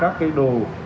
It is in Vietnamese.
các cái đồ